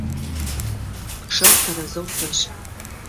Пчъэр тэрэзэу фэшӀ!